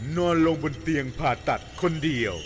นอนลงบนเตียงผ่าตัดคนเดียว